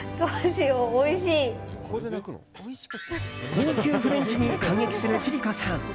高級フレンチに感激する千里子さん。